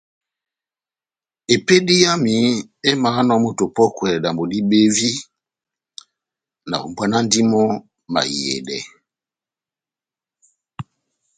Epédi yami émahánɔ moto opɔ́kwɛ dambo dibevi, nahombwanandi mɔ́ mahiyedɛ.